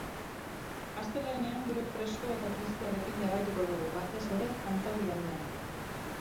Astelehenean giro fresko eta tristearekin jarraituko dugu, batez ere kantaurialdean.